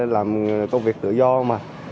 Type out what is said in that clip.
làm công việc tự do mà